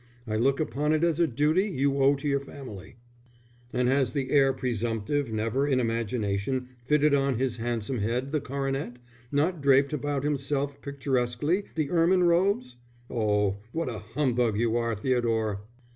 I look upon it as a duty you owe to your family." "And has the heir presumptive never in imagination fitted on his handsome head the coronet, nor draped about himself picturesquely the ermine robes? Oh, what a humbug you are, Theodore!"